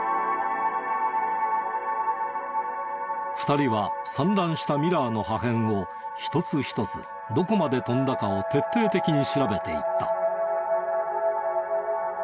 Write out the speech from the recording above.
２人は散乱したミラーの破片を一つ一つどこまで飛んだかを徹底的に調べていった。